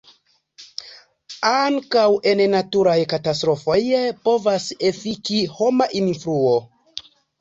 Ankaŭ en naturaj katastrofoj povas efiki homa influo.